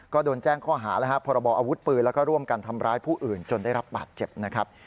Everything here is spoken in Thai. ก็โดนแจ้งข้อหาพรบอาวุธปืนและร่วมกันทำร้ายผู้อื่นจนได้รับบาดเจ็บ